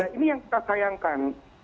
ini yang kita sayangkan